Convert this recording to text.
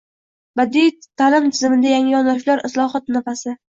Badiiy ta’lim tizimidagi yangi yondashuvlar – islohotlar nafasi